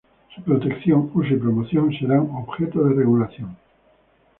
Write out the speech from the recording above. Su protección, uso y promoción serán objeto de regulación.